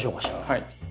はい。